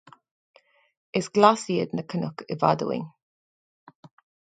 Is glas iad na cnoc i bhfad uainn